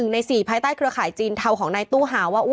ใน๔ภายใต้เครือข่ายจีนเทาของนายตู้หาว่า